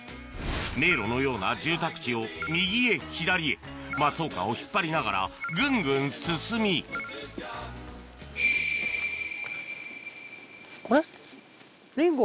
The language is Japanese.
迷路のような住宅地を右へ左へ松岡を引っ張りながらグングン進みリンゴ。